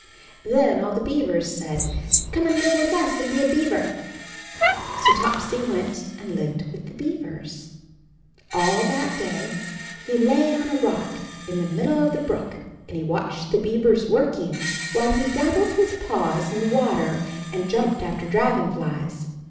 Then all the beavers said, "Come and live with us and be a beaver." So Topsy went and lived with the beavers. All that day he lay on a rock, in the mid dle of the brook, and he watched the beavers working, while he dabbled his paws in the water and jumped after dragon flies.